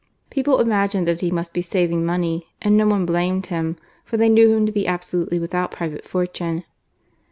People imagined that he most be saving money, and no one blamed him> for they knew him' to be absolutely withoat private forttme.